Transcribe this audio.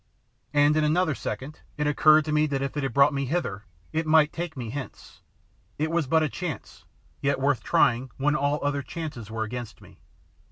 And in another second it occurred to me that if it had brought me hither it might take me hence. It was but a chance, yet worth trying when all other chances were against me.